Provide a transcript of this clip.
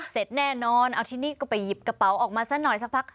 เสร็จแน่นอนเอาที่นี่ก็ไปหยิบกระเป๋าออกมาซะหน่อยสักพัก